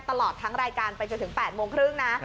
ตลอดทั้งรายการไปจนถึง๘โมงครึ่งนะ